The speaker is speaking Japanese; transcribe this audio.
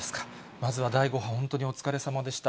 まずは第５波、本当にお疲れさまでした。